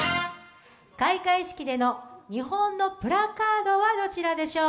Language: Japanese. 開会式での日本のプラカードはどちらでしょう。